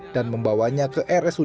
dan membawanya ke rsud